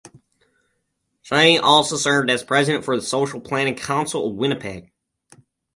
She also served as president for the Social Planning council of Winnipeg.